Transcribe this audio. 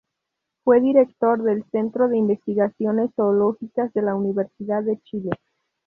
Fue Director del Centro de Investigaciones Zoológicas de la Universidad de Chile.